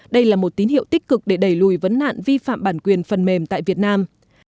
đây là một tín hiệu tích cực để đẩy lùi vấn nạn vi phạm bản quyền phần mềm tại việt nam